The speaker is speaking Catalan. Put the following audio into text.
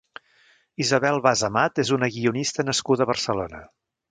Isabel Bas Amat és una guionista nascuda a Barcelona.